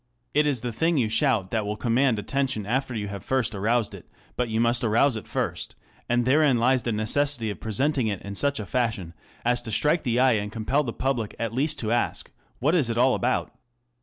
It is the thing you shout that will command attention after you have first aroused it, but you must arouse it first ; and therein lies the necessity of presenting it in such a fashion as to strike the eye and compel the public at least to ask, " What is it all. about